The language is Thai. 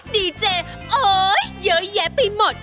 ดีเจโอ๊ยเยอะแยะไปหมด